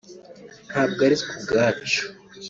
ntabwo ari twe ubwacu”